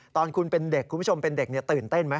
ตอนคุณเป็นเด็กคุณผู้ชมเป็นเด็กตื่นเต้นไหม